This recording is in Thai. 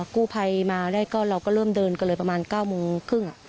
กู้ไพมันก็เริ่มเดินกันเลย